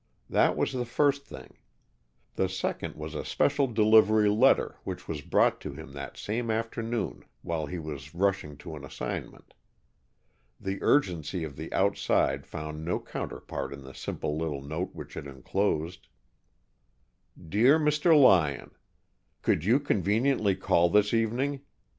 That was the first thing. The second was a special delivery letter which was brought to him that same afternoon while he was rushing to an assignment. The urgency of the outside found no counterpart in the simple little note which it enclosed: "Dear Mr. Lyon: "Could you conveniently call this evening?